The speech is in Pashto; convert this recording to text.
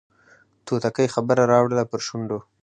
توتکۍ خبره راوړله پر شونډو